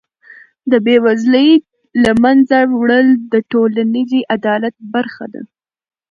د بېوزلۍ له منځه وړل د ټولنیز عدالت برخه ده.